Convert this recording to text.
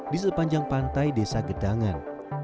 di sepanjang pantai desa gedangan